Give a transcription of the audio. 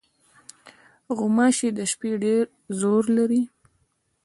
غوماشې د شپې ډېر زور لري.